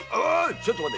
ちょっと待て！